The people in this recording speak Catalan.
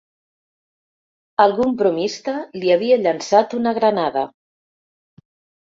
Algun bromista li havia llançat una granada